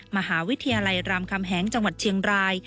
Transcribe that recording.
มหาวิทยาลัยรามคำแหงจังหวัดเชียงราย